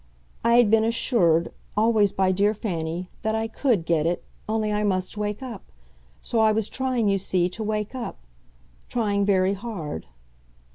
I had been assured always by dear Fanny that I COULD get it, only I must wake up. So I was trying, you see, to wake up trying very hard."